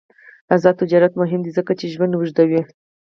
آزاد تجارت مهم دی ځکه چې ژوند اوږدوي.